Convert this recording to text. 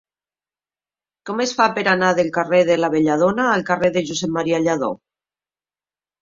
Com es fa per anar del carrer de la Belladona al carrer de Josep M. Lladó?